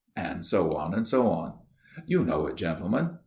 . and so on, and so on. You know it, gentlemen.